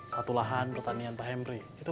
satu lahan pertanian pak hemry